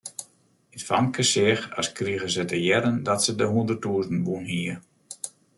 It famke seach as krige se te hearren dat se de hûnderttûzen wûn hie.